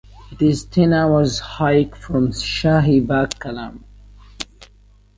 It is Ten hours hike from Shahi Bagh Kalam.